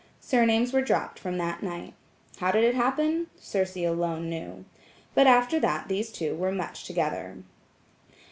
Surnames were dropped from that night. How did it happen? CIRCE alone knew. But after that these two were much together.